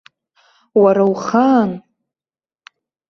Уара ухаан.